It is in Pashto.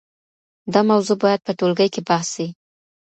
دا موضوع باید په ټولګي کي بحث سي.